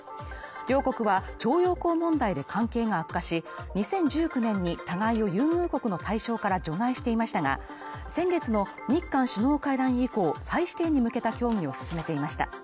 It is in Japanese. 両国は徴用工問題で関係が悪化し、２０１９年に互いを優遇国の対象から除外していましたが、先月の日韓首脳会談以降、再指定に向けた協議を進めていました。